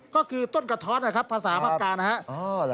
ก็คือต้นกระท้อนนะครับภาษาปากกานะครับ